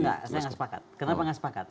enggak saya enggak sepakat kenapa enggak sepakat